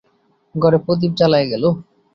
ঘরে প্রদীপ জ্বালাইয়া গেল।